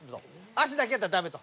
足だけやったらダメと。